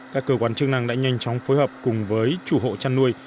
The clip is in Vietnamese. các cơ quan chức năng đã nhanh chóng phối hợp cùng với chủ hộ chăn nuôi